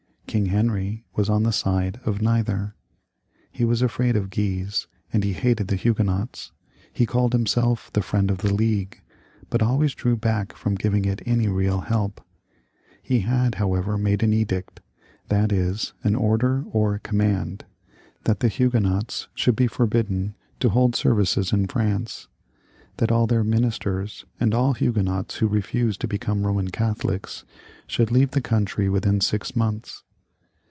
King Henry was on the side of neither. He was afraid of Guise, and he hated the Huguenots. He called himseK the friend of the League, but always drew back from giving it any real help. He had, however, made an edict, that is an order or command, that the Huguenots should be forbidden to hold services in France, that all their ministers and all Huguenots who refused to become JKoman Catholics, should leave the country within six months.